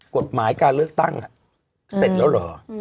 กฎหมายการเลือกตั้งเสร็จแล้วเหรอ